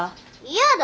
嫌だ！